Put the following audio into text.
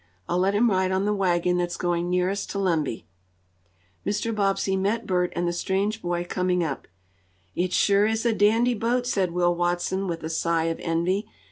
I'll let him ride on the wagon that's going nearest to Lemby." Mr. Bobbsey met Bert and the strange boy coming up. "It sure is a dandy boat!" said Will Watson with a sigh of envy.